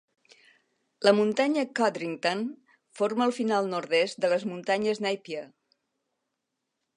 La muntanya Codrington forma el final nord-est de les muntanyes Napier.